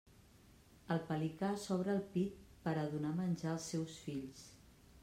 El pelicà s'obre el pit per a donar menjar als seus fills.